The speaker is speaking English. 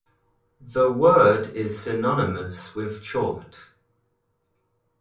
The word is synonymous with chort.